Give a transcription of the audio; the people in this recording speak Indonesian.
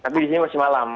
tapi di sini masih malam